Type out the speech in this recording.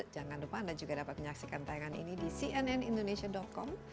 jangan lupa anda juga dapat menyaksikan tayangan ini di cnnindonesia com